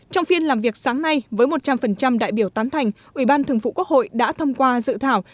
trong phiên làm việc sáng nay với một trăm linh đại biểu tán thành ủy ban thường vụ quốc hội đã thông qua dự thảo